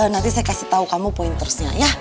nanti saya kasih tahu kamu pointersnya ya